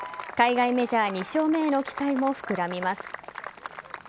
海外メジャー２勝目への期待も膨らみます。